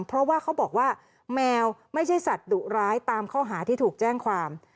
เพราะว่าเขาบอกว่าแมวไม่ใช่สัตว์ดุร้ายตามข้อหาที่ถูกแจ้งความ